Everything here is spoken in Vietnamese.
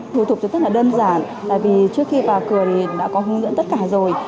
thủ tục rất là đơn giản là vì trước khi vào cửa thì đã có hướng dẫn tất cả rồi